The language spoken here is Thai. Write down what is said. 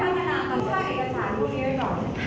สมองได้พัฒนาประชาติเอกชาญพูดให้ไว้ก่อน